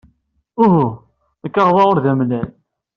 Uhu, lkaɣeḍ-a ur d amellal.